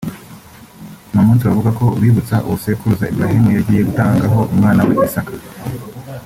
ni umunsi bavuga ko ubibutsa uwo sekuruza Ibrahim yagiye gutangaho umwana we Isaka